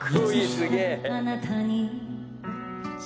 すげえ！」